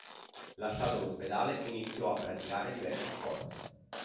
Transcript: Lasciato l'ospedale iniziò a praticare diversi sport.